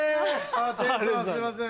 あぁすいません。